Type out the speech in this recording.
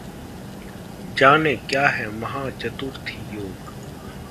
जानें क्या है महाचतुर्थी योग?